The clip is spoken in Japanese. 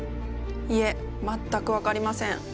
いえ全く分かりません。